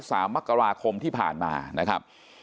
สามกราคมที่ผ่านมา